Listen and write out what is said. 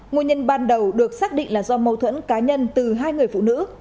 nguyên nhân ban đầu được xác định là do mâu thuẫn cá nhân từ hai người phụ nữ